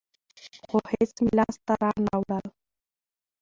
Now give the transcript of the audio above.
خو هېڅ مې لاس ته رانه وړل.